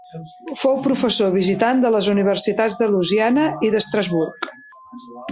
Fou professor visitant de les Universitats de Louisiana i d’Estrasburg.